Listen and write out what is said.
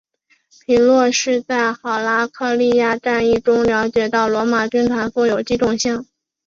皮洛士在赫拉克利亚战役中了解到罗马军团富有机动性。